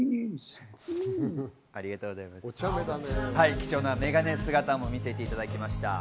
貴重なメガネ姿も見せていただきました。